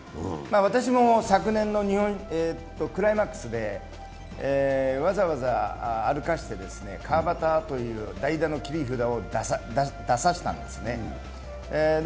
私も昨年のクライマックスで、わざわざ歩かせて川端という代打の切り札を出させたんですね。